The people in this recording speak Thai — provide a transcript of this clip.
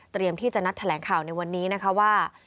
เตรียมที่จะนัดแถลงข่าวในวันนี้ว่า